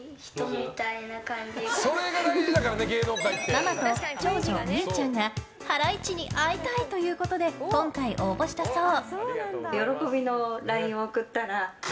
ママと長女・美結ちゃんがハライチに会いたいということで今回、応募したそう。